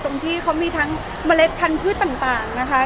ตรงที่เขามีทั้งเมล็ดพันธุ์ต่างนะคะ